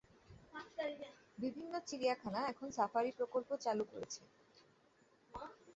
বিভিন্ন চিড়িয়াখানা এখন সাফারি প্রকল্প চালু করেছে।